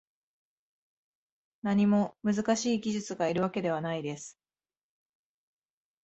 何も難しい技術がいるわけではないです